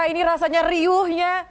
ini rasanya riuhnya